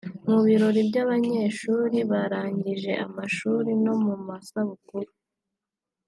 mu birori by’abanyeshuri barangije amashuri no mu masabukuru